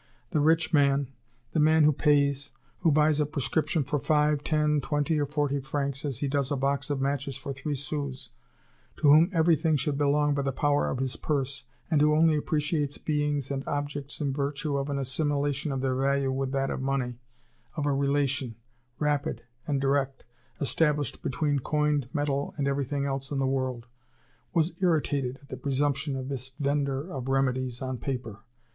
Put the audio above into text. The rich man, the man who pays, who buys a prescription for five, ten, twenty, or forty francs, as he does a box of matches for three sous, to whom everything should belong by the power of his purse, and who only appreciates beings and objects in virtue of an assimilation of their value with that of money, of a relation, rapid and direct, established between coined metal and everything else in the world, was irritated at the presumption of this vendor of remedies on paper.